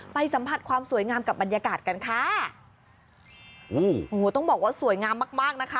สัมผัสความสวยงามกับบรรยากาศกันค่ะโอ้โหต้องบอกว่าสวยงามมากมากนะคะ